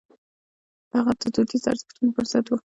هغه د دودیزو ارزښتونو پر ضد و.